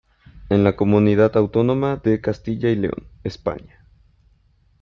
En la comunidad autónoma de Castilla y León, España.